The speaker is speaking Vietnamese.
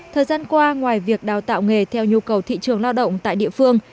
thời gian qua ngoài việc đào tạo nghề theo nhu cầu thị trường lao động tại địa phương